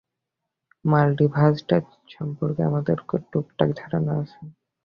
Multiverse সম্পর্কে আমাদের টুকটাক ধারণা আছে।